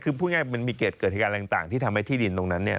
คือพูดง่ายมันมีเกตเกิดที่การต่างที่ทำให้ที่ดินตรงนั้นเนี่ย